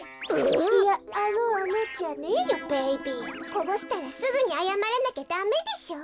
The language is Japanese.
こぼしたらすぐにあやまらなきゃだめでしょう。